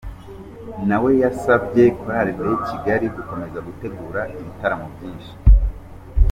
Na we yasabye Chorale de Kigali gukomeza gutegura ibitaramo byinshi.